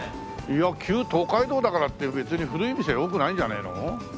いや旧東海道だからって別に古い店は多くないんじゃないの？